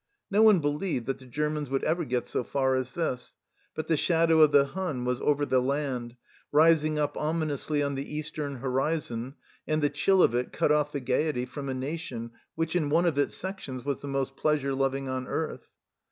No one believed that the Germans would ever get so far as this, but the shadow of the Hun was over the land, rising up ominously on the eastern horizon, and the chill of it cut off the gaiety from a nation which, in one of its sections, was the most pleasure loving on earth.